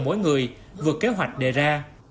mỗi người vượt kế hoạch đề ra